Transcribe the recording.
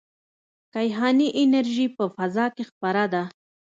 کیهاني انرژي په فضا کې خپره ده.